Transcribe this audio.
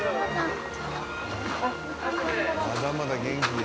まだまだ元気で。